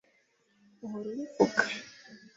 Uhora ubivuga